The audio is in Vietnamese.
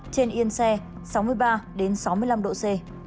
trên yên xe sáu mươi ba sáu mươi năm độ c